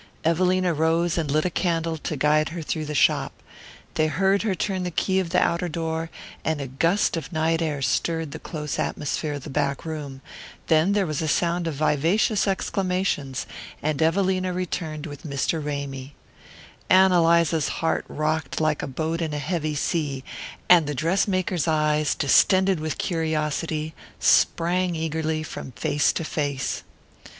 Evelina rose and lit a candle to guide her through the shop. They heard her turn the key of the outer door, and a gust of night air stirred the close atmosphere of the back room; then there was a sound of vivacious exclamations, and Evelina returned with Mr. Ramy. Ann Eliza's heart rocked like a boat in a heavy sea, and the dress maker's eyes, distended with curiosity, sprang eagerly from face to face.